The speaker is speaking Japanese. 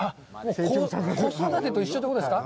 子育てと一緒ということですか？